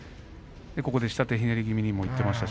下手ひねり気味にもいっていました。